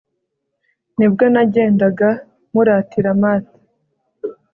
ni bwo nagendaga muratira marth